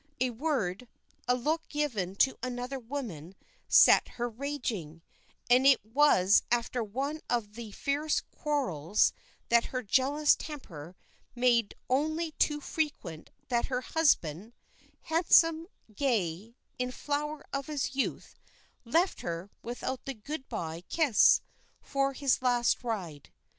A word, a look given to another woman set her raging; and it was after one of the fierce quarrels that her jealous temper made only too frequent that her husband handsome, gay, in the flower of his youth left her without the goodbye kiss, for his last ride.